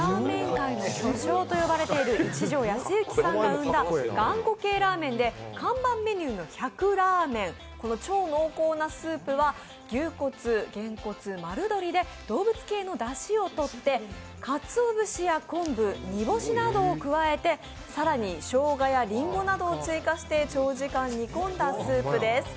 一条安雪さんが生んだがんこ系ラーメンで、看板メニューの１００ラーメン、超濃厚なスープは牛骨、ゲンコツ丸鶏で動物系のだしをとってかつお節や昆布、煮干しなどを加えて、さらにしょうがやりんごなどを追加して長時間煮込んだスープです。